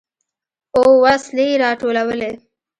او وسلې يې راټولولې.